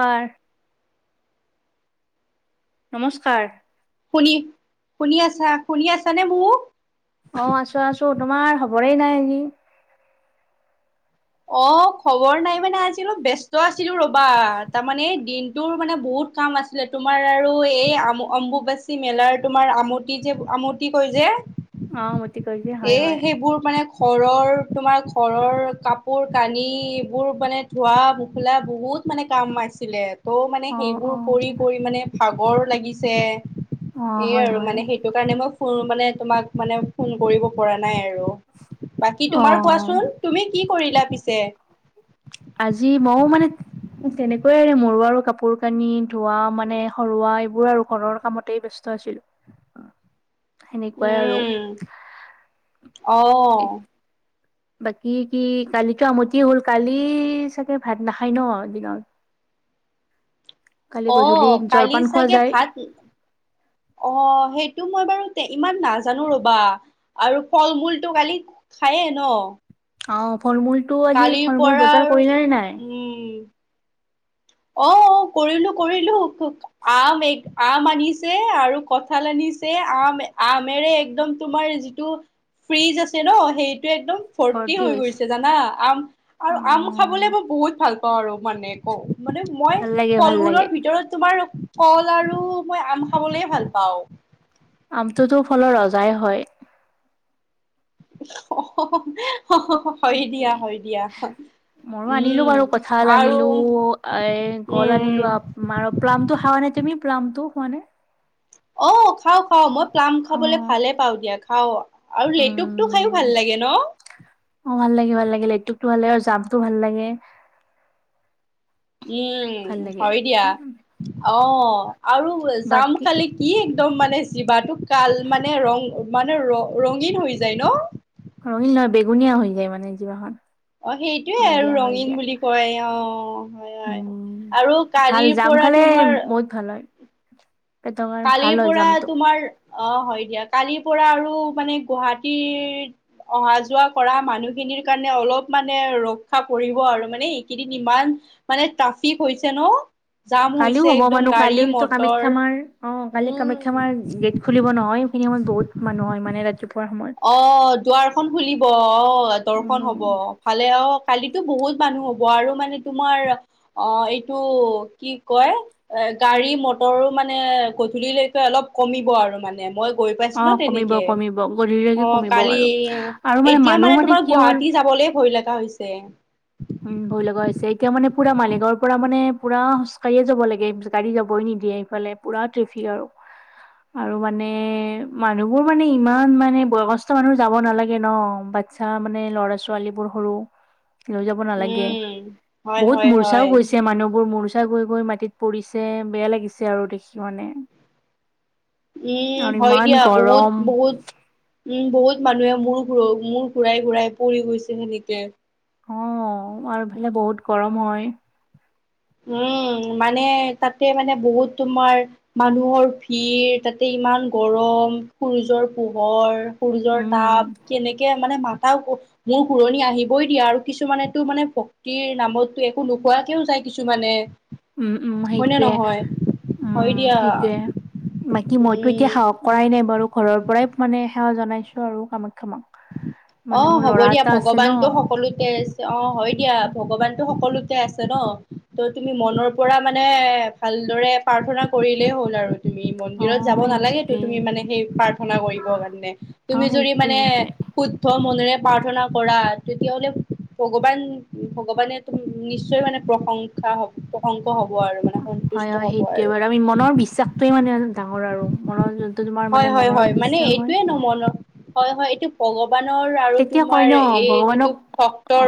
কাৰ? নমস্কাৰ। শুনি, শুনি আছা? শুনি আছা নে মোক? অ আছো আছো, তোমাৰ খবৰেই নাই [unintelligible] অ খবৰ নাই মানে আজি অলপ ব্যস্ত আছিলো ৰ'বা। তামানে দিনটোৰ মানে বহুত কাম আছিলে তোমাৰ আৰু এই আমু অম্বুবাচী মেলাৰ তোমাৰ আমতি যে আমতি কয় যে অ আ এ সেইবোৰ মানে ঘৰৰ তোমাৰ ঘৰৰ কাপোৰ কানি এইবোৰ মানে ধোৱা পোখোলা বহুত বহুত মানে কাম আছিলে। ত' মানে অ অ সেইবোৰ কৰি কৰি মানে ভাগৰো লাগিছে। অ এয়ে হয় আৰু হয় মানে সেইটো কাৰণে মই ফোন মানে তোমাক মানে ফোন কৰিব পৰা নাই আৰু। বাকী অ তোমাৰ কোৱাচোন তুমি কি কৰিলা পিছে আজি মইও মানে তেনেকৈয়ে মোৰ আৰু কাপোৰ-কানি ধোৱা মানে সৰুৱা এইবোৰ উপৰৰ কামতে ব্যস্ত আছিলো সেনেকুৱাই আৰু। অঁ। বাকী কি কালিতো আমতিয়ে হ'ল। কালি চাগে ভাত নাখায় ন' দিনত? কালি অ গধূলি কালি জলপান খোৱা চাগে যায়। ভাত, অ হেইটো মই বাৰু তে ইমান নাজানো ৰ'বা আৰু ফল মূল টো কালি খায়েই ন ফলমূল টো আজি কালিৰ ফল মূল পৰা বজাৰ আৰু কৰিলা নে নাই উম, অ অ কৰিলো কৰিলো। আম এক আম আনিছে আৰু কঁঠাল আনি ছে আম আমেৰে একদম তোমাৰ যিটো ফ্ৰিজ আছে ন' সেই টো একদম ভৰ্তি হৈ গৈছে জানা? আম আৰু আম অ খাবলে মই বহুত ভাল পাওঁ মানে কও, মানে মই ভাল লাগে ভাল লাগে ফলমূলৰ ভিতৰত তোমাৰ কল আৰু মই আম খাবলৈয়ে ভাল পাওঁ। টোতো ফলৰ ৰজাই হয়। অহ হ হ, হহ হ হ, হয় দিয়া হয় দিয়া। মৰো আনিলোঁ উম বাৰু, কঁঠাল আৰু আনিলোঁ, এ- কল আনিলোঁ উম আ- মাৰ- প্লামটো খাৱা নে তুমি? প্লামটো খোৱানে অ' খাওঁ - খাওঁ। মই প্লাম অ খাবলে ভালে পাওঁ দিয়া, খাওঁ। আৰু লেটুকটো খাইও উম ভাল লাগে ন'? অ ভাল লাগে ভাল লাগে লেটুকটো ভাল লাগে আৰু জামটো ভাল লাগে উম, ভাল লাগে হয় দিয়া। অ' আৰু জাম বাকী খালে কি একদম মানে জিভাটো কাল মানে ৰং মানে ৰ- ৰঙীন হৈ যায় ন'? ৰঙীন নহয়, বেঙুনীয়া হৈ যায় মানে জিভাখন। অ' সেইটোৱে হয় দিয়া আৰু হয় ৰঙীন দিয়া বুলি কয় অ', হয় - হয়। আৰু কালিৰ প শুকালে বহুত ভাল হয়। পেটৰ কাৰণে ভাল হয় কালিৰপৰা জামটো তোমাৰ- অ' হয় দিয়া। কালিৰপৰা আৰু মানে গুৱাহাটীৰ অহা যোৱা কৰা মানুহখিনিৰ কাৰণে অলপ মানে ৰক্ষা পৰিব আৰু মানে এইকেইদিন ইমান মানে ট্ৰাফিক হৈছে ন'? জাম কালিও হৈছে হ'ব একদম মানুহ। গাড়ী কালিওতো মটৰ কামাখ্যা মাৰ অ' অ কালি কামাখ্যা উম মাৰ গেট খুলিব নহয় সেইখিনি সময়ত বহুত মানুহ হয় মানে ৰাতিপ অ' দুৱাৰখন খুলিব। অ' দৰ্শন উম হব অ'। ভালে অ' কালি বহুত মানুহ হব আৰু মানে তোমাৰ এইটো কি কয় গা গাড়ি-মটৰো মানে গধূলিলৈকে অলপ কমিব আৰু মানে। মই গৈ অ পাইছিলোঁ কমিব তেনেকে। কমিব গধূলিলৈকে অ' কমিব কালি। বাৰু আৰু এতিয়া মানুহ মানে তোমাৰ কি হ'ল গুৱাহাটী যাবলে ভয় লাগা হৈছে। উম, ভয় লগা হৈছে। এতিয়া মানে পুৰা মালিগাঁৱৰ পৰা মানে পুৰা খোজকাঢ়িয়েই যাব লাগে। গাড়ী যাবই নি দিয়ে সেইফালে। পুৰা ট্ৰেফিক আৰু। আৰু মানে মানুহবোৰ মানে ইমান মানে বয়সস্থ মানুহ যাব নালাগে ন'। বাচ্ছা মানে ল'ৰা ছোৱালীবোৰ সৰু লৈ ব নালাগে। উম হয় বহুত হয় মূৰ্চাও হয় গৈছে মানুহবোৰ মূৰ্ ৰ্ছা গৈ - গৈ মাটিত পৰিছে। বেয়া লাগিছে আৰু দেখি মানে। উম, আৰু হয় ইমান দিয়া। বহুত গৰম - বহুত উম, বহুত মানুহে মূৰ ঘূৰ- মূৰ ঘূৰাই ঘূৰাই পৰি গৈছে সেনেকে। অ, 'আৰু সেই বহুত গৰম হয়। উম মানে তাতে মানে বহুত তোমাৰ মানুহৰ ভিৰ, তাতে ইমান গৰম, সূৰ্যৰ পোহৰ, সূৰ্যৰ উম তাপ কেনেকে মানে মা মোৰ শুৰণি আহিবই দিয়া আৰু কিছুমানেতো মানে ভক্তিৰ নামতো একো নোখোৱাকেও যায়। কিছুমানে, উম, উম হয় নে সেইটোৱে। নহয় হয় উম, দিয়া সেইটোয়ে বাকি মইতো এতিয়া উম সাহস কৰাই নাই বাৰু ঘৰৰ, পৰাই মানে সেৱা জনাইছো আৰু কামাখ্যা মাক। অ, মানে মোৰ হ'ব ল'ৰা দিয়া এটা আছে ন ভগৱান টো সকলোতে অ হয় দিয়া ভগৱানতো সকলোতে। আছে ন, ত তুমি মনৰ পৰা মানে ভালদৰে প্ৰাৰ্থনা কৰিলেই হ'ল আৰু। তুমি অ মন্দিৰত যাব নালাগে তো, সেইটোৱে তুমি মানে সেই প্ৰাৰ্থনা কৰিবৰ কাৰণে অ তুমি যদি সেইটোৱে মানে, সেইটোৱে শুদ্ধ মনেৰে প্ৰাৰ্থনা কৰা তেতিয়াহ'লে ভগৱান, ভগৱানে নিশ্চয় মানে প্ৰশংসা হব, প্ৰশংসা হওঁক, হয়, হয় সেইটোয়ে বাৰু আমি মনৰ বিশ্বাসটোয়ে মানে ডাঙৰ আৰু মনৰ, তোমাৰ মানে হয়,। হয়,। মনৰ হয়,। মানে বিশ্বাস হয় এইটোয়ে ন মন হয়, হয় এইটো, ভগৱানৰ আৰু তেতিয়া কয় তোমাৰ, ন এই যিটো ভগৱানক ভক্তৰ অ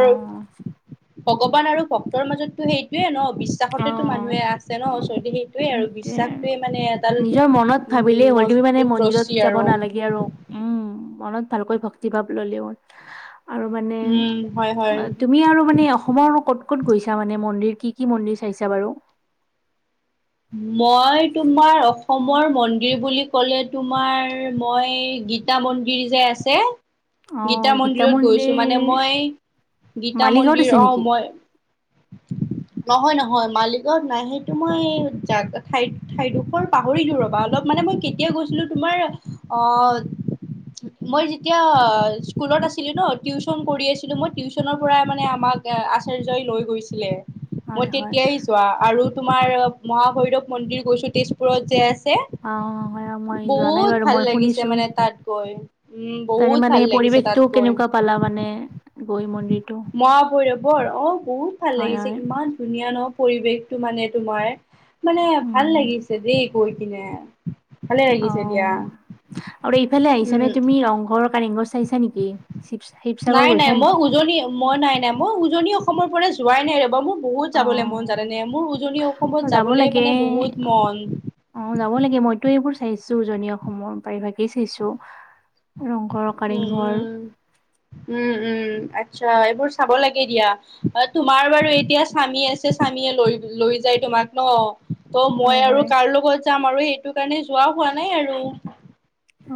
ভগৱান আৰু ভক্তৰ মাজতো সেইটোয়ে ন। বিশ্বাসতেতো উম মানুহে আছে ন, ওচৰতে সেইটোৱে আৰু বিশ্বাসটোৱে মানে এডাল ভাবিলে, উম হইটো ইমান মানে মজবুত মন্দিৰত ৰছী যাব আৰু নালাগে আৰু উম, মনত ভালকৈ ভক্তি ভাৱ ললে হল। আৰু মানে উম হয় হয় অ, তুমি আৰু মানে অসমৰ ক'ত ক'ত গৈছা মানে মন্দিৰ কি, কি মন্দিৰ, চাইছা বাৰু? মই তোমাৰ অসমৰ মন্দিৰ বুলি ক'লে তোমাৰ মই গীতা মন্দিৰ যে আছে অ গীতা মন্দিৰত গৈছো মন্দিৰ মানে মই গীতা মালিগাঁৱত মন্দিৰ আছে আহ নেকি মই [unintelligible] নহয়, নহয় মালিকত নাই সেইটো মই যাক ঠাই-ঠাইডোখৰ পাহৰিলো ৰবা অলপ মানে মই কেতিয়া গৈছিলো তোমাৰ অ, ' মই যেতিয়া স্কুলত আছিলো ন, টিউচন কৰি আছিলো মই টিউশ্যনৰ পৰাই মানে আমাক আচাৰ্যই লৈ গৈছিলে। মই হয় হয় তেতিয়াই যোৱা আৰু তোমাৰ মহাভৈৰৱ মন্দিৰ গৈছো, তেজপুৰত যে আ অ হয় মই যোৱা নাই বহুত বাৰু ভাল মই লাগিছে শুনিছো মানে তাত গৈ উম, তাৰে বহুত মানে ভাল লাগিছে। পৰিৱেশটো কেনেকুৱা পালা মানে গৈ মন্দিৰটো মহা ভৈৰৱৰ অ, ' বহুত ভাল হয় লাগিছে হয় ইমান ধুনীয়া ন পৰিৱেশটো মানে তোমাৰ মানে ভাল উম লাগিছে দেই গৈ কিনে। ভালে অ, লাগিছে দিয়া ' আৰু এইফালে আহিছা উম নে তুমি ৰংঘৰ কাৰেংঘৰ চাইছা নেকি। শিৱ শিৱসাগৰ নাই, নাই, গৈছা মই নেকি উজনি মই নাই, নাই মই উজনি অসমৰ পৰা যোৱাই নাই ৰবা মোক বহুত যাবলৈ মন জানানে, অ মোৰ উজনি অসমত যাব যাবলৈ লাগে মানে বহুত মন। অ, 'যাব লাগে মই চাইছো জনী অসমৰ পাৰিভাগেই চাইছো ৰংঘৰ উম কাৰেংঘৰ উম উম উম আচ্ছা এইবোৰ চাব লাগে দিয়া তোমাৰ বাৰু এতিয়া স্বামী আছে স্বামীয়ে লৈ লৈ যায় তোমাক ন ত মই হয় আৰু হয় কাৰ লগত যাম আৰু সেইটো কাৰণে যোৱা হোৱা নাই আৰু অ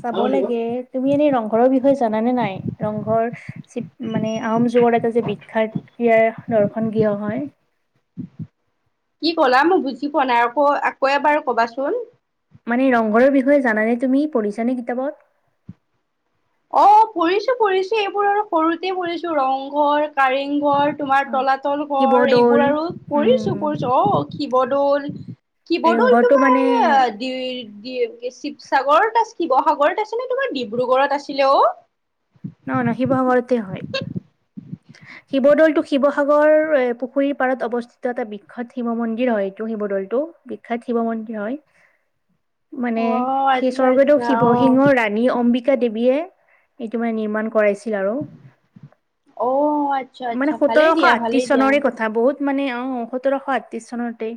চাব লাগে কি তুমি এনে ৰংঘৰত বিষয়ে জানা নে নাই? ৰংঘৰ চিপ মানে আহোম যুগৰ এটা যে বিখ্যাত ইয়াৰ দৰ্শন গৃহ হয়। কি ক'লা মই বুজি পোৱা নাই আকৌ আকৌ এবাৰ কবাচোন। মানে ৰংঘৰৰ বিষয়ে জানানে তুমি? পঢ়িছা নে কিতাপত? অ ফুৰিছো ফুৰিছো এইবোৰ আৰু সৰুতে ফুৰিছো ৰংঘৰ, কাৰেংঘৰ তোমাৰ হয় তলাতল ঘৰ শিৱদৌল এইবোৰ আৰু ফুৰিছো উম ফুৰিছো। অ, শিৱদৌল শিৱদৌল ৰংঘৰটো তোমাৰ মানে এ দি কি এই চিৱসাগৰত আ শিৱসাগৰত আছে নে তোমাৰ ডিব্ৰুগড়ত আছিলে অ? নহ ন শিৱসাগৰতে হয়। শিৱদৌলটো শিৱসাগৰ এ পুখুৰীৰ পাৰত অৱস্থিত এটা বিখ্যত শিৱ মন্দিৰ হয় এইটো শিৱ দৌলটো বিখ্যাত শিৱ মন্দিৰ হয়। মানে অ সেই আচ্ছা স্বৰ্গদেউ আচ্ছা অ শিৱসিংহৰ ৰাণী অম্বি কা দেৱীয়ে এইটো মানে নিৰ্মাণ কৰাইছি ইল আৰু অ আচ্ছা মানে আচ্ছা ভালেই সোতৰশ দিয়া আঠত্ৰিছ ভালেই দিয়া চনৰে কথা, বহুত মানে অহ সোতৰশ আঠত্ৰিশ চনতেই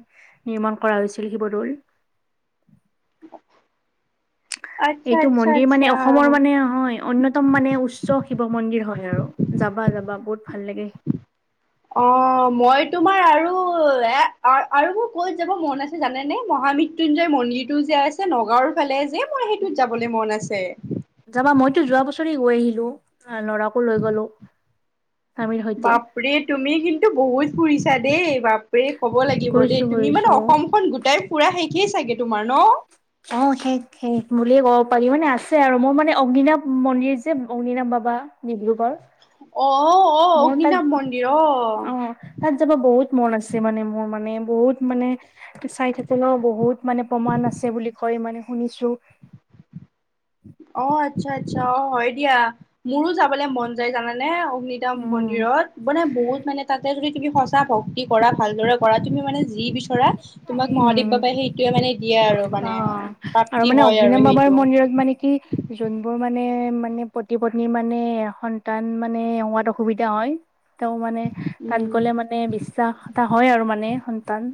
নিৰ্মাণ কৰা হৈছিল শিৱদৌল। [inaudible] আচ্ছা এইটো আচ্ছা মন্দিৰ মানে অসমৰ আচ্ছা মানে হয় অন্যতম মানে উচ্চ শিৱ মন্দিৰ হয় আৰু। যাব বা যাবা বহুত ভাল লাগে অ মইতো [inaudible] অ এ আৰ আৰু মোৰ ক'ত যাব মন আছে জানে নে? মহা মৃত্যুঞ্জয় মন্দিৰ টোও যে আছে নগাঁওৰ ফা লে যে মোৰ সেইটোত যাবলে মন আছে। যাবা মইতো যোৱা বছৰেই গৈ আহিলো। আহ ল'ৰাকো লৈ গলো স্বামীৰ সৈতে বাপৰে তুমি কিন্তু বহুত ফুৰি ছা দেই। বাপৰে, ক'ব লাগিব কৰিছো দেই। তুমি কৰিছো মানে অসমখন গোটাই ফুৰা শে ষে চাগে তোমাৰ ন'? অ' শেষ - শেষ বুলিয়ে ক'ব পাৰি। মানে আছে আৰু। মোৰ মানে অগ্নিনাথ মন্দিৰ যে, অগ্নিনাথ বা বা ডিব্ৰুগড়। অ', অ', মোৰ অগ্নিনাভ তাত- মন্দিৰ অ' তাত যাব বহুত মন আছে মানে মোৰ মানে। বহুত মানে চাই থাকিলেও বহুত মানে প্ৰমাণ আছে বুলি কয়। মানে শুনিছোঁ। অ' আচ্ছা - আচ্ছা। অ' হয় দিয়া। মোৰো যাবলে মন যায় জানানে অগ্নিদাম উম মন্দিৰত। মানে বহুত, মানে তাতে যদি তুমি সঁচা ভক্তি কৰা, ভালদৰে কৰা, তুমি মানে যি বিচ চৰা, তোমাক মহাদেৱ উম বাবাই সেইটোৱে মানে দিয়ে আৰু অ মানে, আৰু প্ৰাপ্তি মানে হয় আৰু অগ্নিনাভ বাবাৰ সেইটো। মন্দিৰত মানে কি যোনবোৰ মানে - মানে পতি-পত্নীৰ মানে সন্তান মানে হোৱাত অসুবিধা হয় তেওঁ মানে তাত উম গ'লে মানে বিশ্বাস এটা হয় আৰু মানে সন্তান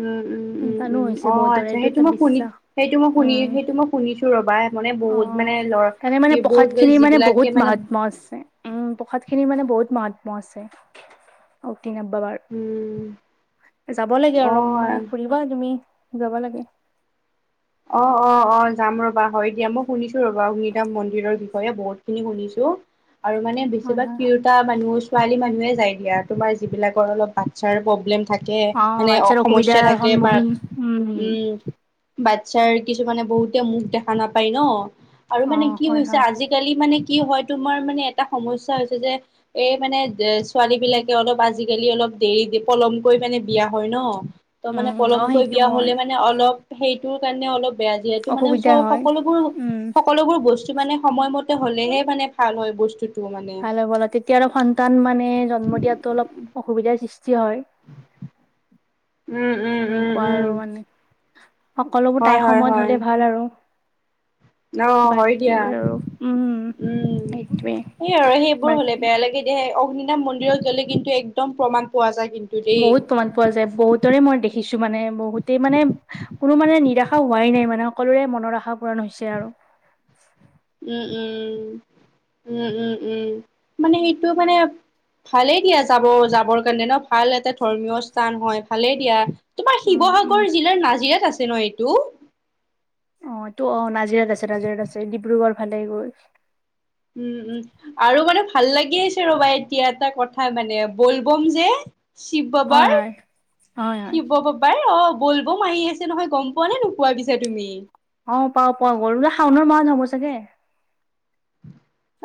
উম - উম - উম - সন্তানো উম, হৈছে অ' বহুতৰে আচ্ছা, এইটো সেইটো এটা মই শুনি- বিশ্বাস সেইটো মই উম শুনি- সেইটো মই শুনিছোঁ ৰবা। মানে অ' বহুত মানে ল'ৰা তাৰে মানে বহুত প্ৰসাদখিনি মানে যিবিলাকে বহুত মানে মাহাত্ম্য আছে। উম, প্ৰসাদখিনি মানে বহুত মাহা ম্য আছে, অকিনাথ বাবাৰ। উম যাব লাগে অলপ মানে অ ফুৰিবা তুমি যাবা লাগে। অ' - অ' - অ' যাম ৰবা। হয় দিয়া। মই শুনিছোঁ ৰবা, অগ্নিধাম মন্দিৰৰ বিষয়ে বহুতখিনি শুনিছোঁ। আৰু মানে হয় বেছিভাগ হয় তিৰোতা মানুহ ছোৱালী মানুহে যায় দিয়া। তোমাৰ যিবিলাকৰ অলপ বাচ্ছাৰ প্ৰব্লেম থা থাকে, অ মানে বাচ্ছাৰ সমস্যা অসুবিধাৰ থাকে বা সন্মুখীন উম', বা কিছু মানে বহুতে মুখ দেখা নাপায় ন, আৰু অ মানে কি হয় হৈছে হয় আজিকালি মানে কি হয়, তোমাৰ মানে এটা সমস্যা হৈছে যে, এই মানে এ ছোৱালী বিলাকে অলপ আজিকালি অলপ দেৰি-পলমকৈ মানে বিয়া হয় ন। ত মানে, উম অ পলমকৈ সেইটো বিয়া হলে হয় মানে, অলপ সেইটোৰ কাৰণে অলপ বেয়া যিহেতু মানে অসুবিধা চ হয় উম সকলোবোৰ-সকলোবোৰ বস্তু মানে সময়ম হ'লেহে মানে ভাল হয় বস্তু। ভাল হ'বল তেতিয়া আৰু সন্তান মানে, জন্ম দিয়াতো অলপ অসুবিধাৰ সৃষ্টি হয়। উ'। ন কোৱা আৰু মানে সকলোবোৰ হয় তাইৰ হয় সময়ত হয় হলে ভাল আৰু। অ বাকী আৰু উম'। সেইটোৱে সেইয় আৰু সেইবোৰ হ'লে বাকী বেয়া লাগে দিয় অগ্নি মন্দিৰত গ'লে কিন্তু একদম প্ৰমাণ পোৱা যায়। কিন্তু দেই। বহুত প্ৰমাণ পোৱা যায়, বহুতৰে মই দেখিছো মানে, বহুতেই মানে কোনো মানে নিৰাশা হোৱাই নাই মানে সকলোৰে মনৰ আশা পূৰণ হৈছে আৰু। উম উম [inaudible] উম', উম', উম, মানে সেইটো মানে ভালে দিয়া যাব-যাবৰ কাৰণে ন, ভাল এটা ধৰ্মীয় স্থান হয়, ভালে দিয়া। তোমাৰ উম উম শিৱসাগৰ জিলাৰ নাজিৰাত আছে ন এইটো? তো অ নাজিৰাত আছে, নাজিৰাত আছে ডিব্ৰুগড় ফালে গ'ল উম', উম, আৰু মানে ভাল লাগি আছে ৰবা, এতিয়া এটা কথা মানে বল-বম যে শিৱ হয় হয় হয় হয় বাবাৰ-শিৱ বাবাৰ অ'। ব'লবম আহাৰি আছে নহয়, গম পোৱা নে নোপোৱা পিছা তুমি? অ', পাওঁ, পাওঁ গৰুড়া শাওনৰ মাহ হ'ব চাগে?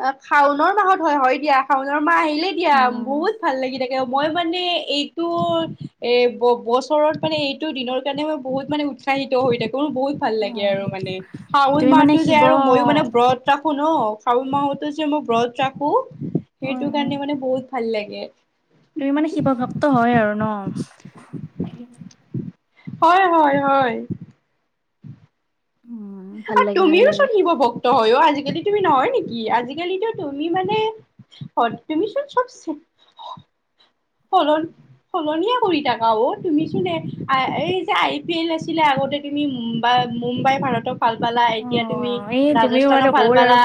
অ', শাওণ মাহত হয় হয় দিয়া। শাওনৰ মাহ আহিলে দিয়া। উম বহুত ভাল লাগি থা এ, মই মানে এইটো এ বছৰত মানে, এইটো দিনৰ কাৰণে মই বহুত মানে উৎসাহিত হৈ থাকো। মোৰ বহুত ভাল অ লাগে আৰু মানে, শাওন তুমি মানে মাহটো যে শিৱ আৰু মইও মানে ব্ৰত ৰাখো ন। শাওন মাহত যে মই ব্ৰত ৰাখো, হয় সেইটো হয় কাৰণে মানে বহুত ভাল লাগে। তুমি মানে শিৱ ভক্ত হয় আৰু ন? হয়, হয়, হয়। উম ভাল আৰু লাগে ভাল তুমিও লাগে চোন শিব ভক্ত হয় অ' আজি যদি তুমি নহয় নেকি? আজিকালিতো তুমি মানে তুমি চোন চ [unintelligible] সলনি-সলনিয়ে কৰি থাকা অ', তুমি চোন এই যে, আই-পি-এল আছিলে আগত তুমি মুম্বাই মুম্বাই ভাৰতক ভাল পালা, অ এতিয়া তুমি এই তুমিও আৰু ৰাজস্থানক ভাল হ'ল আৰু পালা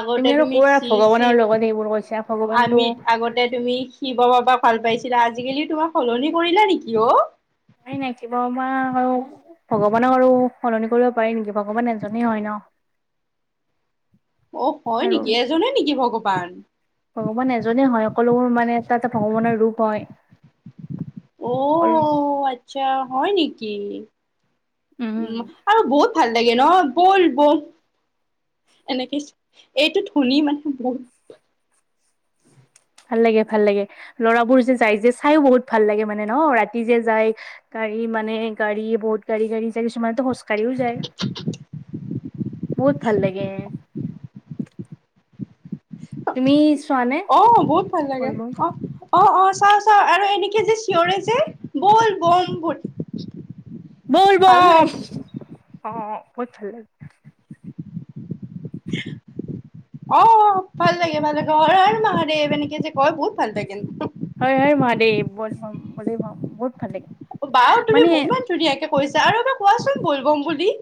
আগতে তুমি চি চি মানে এই বোৰ কৈছা। ভগৱানটো আমিত আগতে তুমি শিৱ বাব ভাল পাইছিলা। আজিকালি তোমাৰ সলনি কৰিলা নেকি অ'? নাই, নাই শিব বাবা আৰু ভগৱানক আৰু সলনি কৰিব পাৰি নেকি ভগৱান এজনে হয় ন। অ', হয় আৰু নেকি এজনে নেকি ভগৱান? ভগৱান এজনেই হয়। সকলোবোৰ মানে এটা এটা ভগৱানৰ ৰূপ হয়। সকলো অ', আচ্ছা হয় নেকি? উম', আৰু বহুত ভাল লাগে ন বলবম এনেকে এইটো ধনী মানে বহু ভাল লাগে ভাল লাগে ল'ৰাবোৰ যে যায় যে চায়ো বহুত ভাল লাগে মানে ন ৰাতি যে যায় ত গাড়ী মানে গাড়ী বহুতগাড়ী গাড়ী যায় কিছুমানেতো খোজকাঢ়িও যায় [inaudible] বহুত ভাল লাগে। তুমি চোৱা নে অ বহুত ভাল লাগে বল বম অ', অ', অ। চাও চাওঁ আৰু এনেকে যে চিঞৰে যে বল বম। বল ভাল বম লাগে অ বহুত ভাল লাগে [unintelligible] অ ভাল লাগে ভাল লাগে অ হৰ হৰ মহাদেৱ এনেকে যে কয় বহুত ভাল লাগে হৰ হৰ মহাদেৱ বল বম বলে বম বহুত ভাল লাগে। বাও তুমি ইমান ধুনীয়াকে কৈছা আৰু এবাৰ কোৱাচোন বল বম বুলি